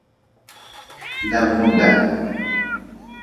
Dabuda.